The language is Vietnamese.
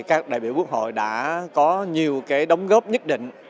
các đại biểu quốc hội đã có nhiều đồng góp nhất định